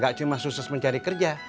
gak cuma sukses mencari kerja